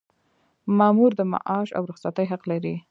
مامور د معاش او رخصتۍ حق لري.